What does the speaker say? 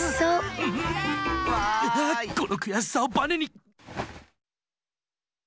このくやしさをバネに！